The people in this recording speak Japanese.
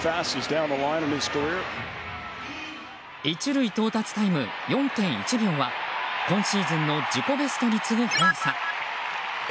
１塁到達タイム４．１秒は今シーズンの自己ベストに次ぐ速さ。